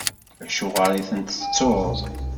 Acuɣeṛ i ten-tettuḍ?